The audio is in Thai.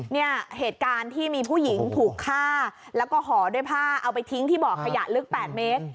เนี่ยเหตุการณ์ที่มีผู้หญิงถูกฆ่าแล้วก็ห่อด้วยผ้าเอาไปทิ้งที่บ่อขยะลึก๘เมตร